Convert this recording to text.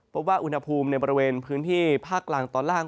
พบว่าอุณหภูมิในบริเวณพื้นที่ภาคกลางตอนล่าง